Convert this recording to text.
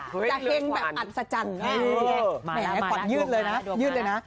ประมาณฉันแคบดูก้าดโปรดยืดเลยนะ